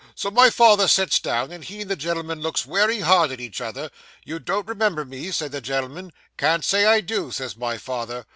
So my father sits down, and he and the gen'l'm'n looks wery hard at each other. "You don't remember me?" said the gen'l'm'n. "Can't say I do," says my father.